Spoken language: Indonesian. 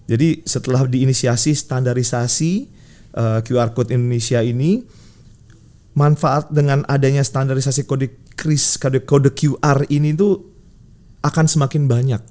jadi setelah diinisiasi standarisasi qr code indonesia ini manfaat dengan adanya standarisasi kode kris kode qr ini tuh akan semakin banyak